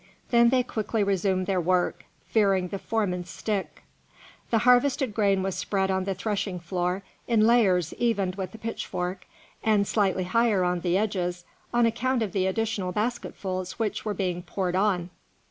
Then they quickly resumed their work, fearing the foreman's stick. The harvested grain was spread on the threshing floor in layers evened with a pitchfork, and slightly higher on the edges on account of the additional basketfuls which were being poured on.